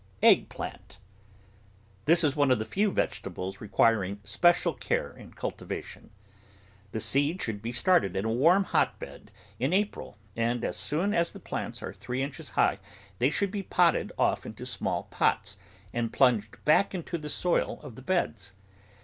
EGG PLANT This is one of the few vegetables requiring spe cial care in cultivation. The seed should be started in a warm hotbed in April, and as soon as the plants are three inches high they should be potted off into small pots and plunged back into the soil of the beds.